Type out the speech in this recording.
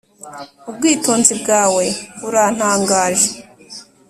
ubwitonzi bwawe burantangaje